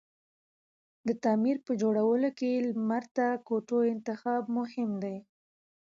د تعمير په جوړولو کی لمر ته کوتو انتخاب مهم دی